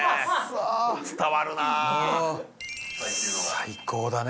最高だね